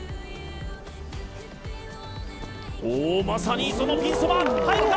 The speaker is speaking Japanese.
まさにそのピンそば、入るか？